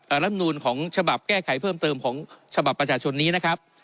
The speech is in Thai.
รำนูลของฉบับแก้ไขเพิ่มเติมของฉบับประชาชนนี้นะครับ